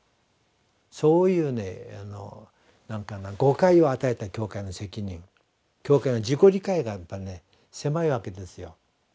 そういうね誤解を与えた教会の責任教会の自己理解がやっぱり狭いわけですよ。